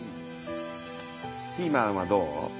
ピーマンはどう？